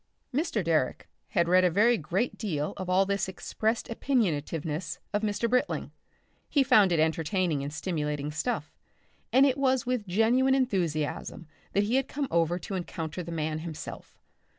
Mr. Direck had read a very great deal of all this expressed opiniativeness of Mr. Britling: he found it entertaining and stimulating stuff, and it was with genuine enthusiasm that he had come over to encounter the man himself.